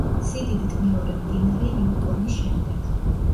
სიდიდით მეორე მდინარე იუკონის შემდეგ.